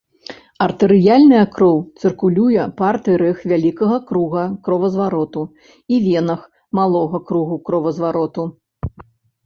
Артэрыяльная кроў цыркулюе па артэрыях вялікага круга кровазвароту і венах малога круга кровазвароту.